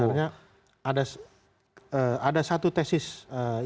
sebenarnya ada satu tesis yang saya inginkan